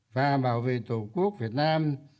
và bảo vệ tổ quốc việt nam